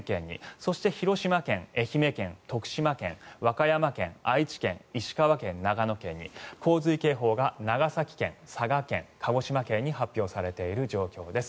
そして広島県、愛媛県、徳島県和歌山県、愛知県石川県、長野県に洪水警報が長崎県、佐賀県鹿児島県に発表されている状況です。